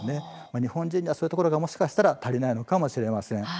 日本人にはそういうところがもしかしたら足りないのかもしれません。